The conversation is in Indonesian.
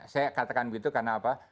saya katakan begitu karena apa